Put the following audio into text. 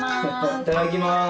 いただきます。